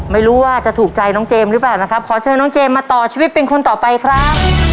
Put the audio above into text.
ไม่รู้ว่าจะถูกใจน้องเจมส์หรือเปล่านะครับขอเชิญน้องเจมส์มาต่อชีวิตเป็นคนต่อไปครับ